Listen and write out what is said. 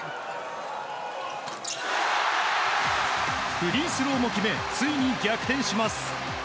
フリースローも決めついに逆転します。